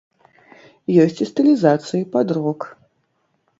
Ёсць і стылізацыі пад рок.